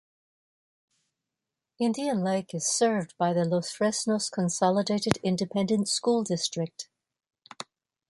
Indian Lake is served by the Los Fresnos Consolidated Independent School District.